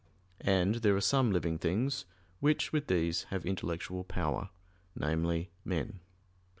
And there are some living things which with these have intellectual power namely, men.